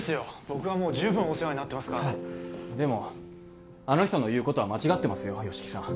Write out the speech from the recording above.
僕はもう十分お世話になってますからでもあの人の言うことは間違ってますよ吉木さん